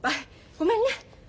ごめんね。